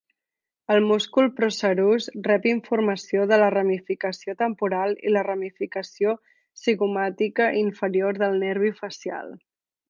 El múscul procerus rep informació de la ramificació temporal i la ramificació cigomàtica inferior del nervi facial.